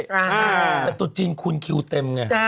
แต่ตุ๊ดจีนคุณคิวเต็มไง